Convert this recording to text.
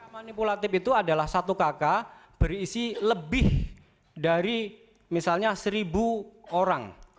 manipulatif itu adalah satu kakak berisi lebih dari misalnya seribu orang